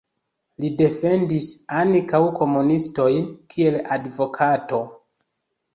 Li defendis ankaŭ komunistojn kiel advokato.